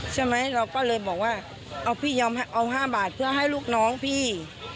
ใช่ไหมเราก็เลยบอกว่าเอาพี่ยอมเอา๕บาทเพื่อให้ลูกน้องพี่